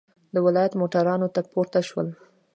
د ولایت موټرانو ته پورته شولو.